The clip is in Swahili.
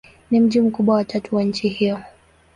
Ni mji mkubwa wa tatu wa nchi hiyo.